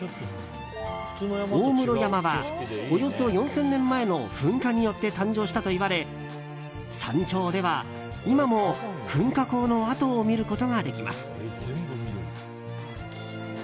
大室山は、およそ４０００年前の噴火によって誕生したといわれ山頂では、今も噴火口の跡を見ることができます。